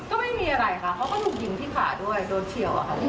ก็ไม่มีอะไรค่ะเขาก็ถูกยิงที่ขาด้วยโดนเฉียวอะค่ะพี่